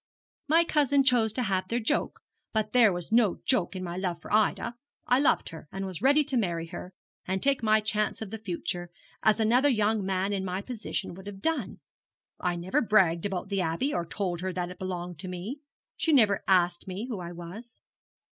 'My cousins chose to have their joke, but there was no joke in my love for Ida. I loved her, and was ready to marry her, and take my chance of the future, as another young man in my position would have done. I never bragged about the Abbey, or told her that it belonged to me. She never asked me who I was.'